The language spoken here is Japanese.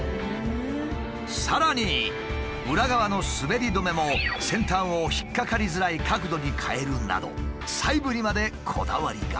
さらに裏側の滑り止めも先端を引っ掛かりづらい角度に変えるなど細部にまでこだわりが。